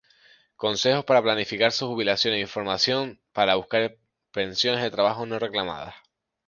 Consejos para planificar su jubilación e información para buscar pensiones de empleo no reclamadas.